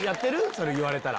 それ言われたら。